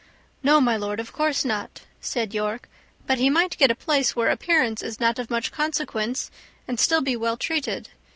"No, my lord, of course not," said York; "but he might get a place where appearance is not of much consequence, and still be well treated.